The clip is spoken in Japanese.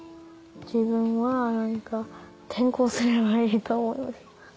自分は何か転校すればいいと思いました。